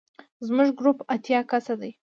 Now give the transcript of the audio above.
زموږ ګروپ اتیا کسه دی.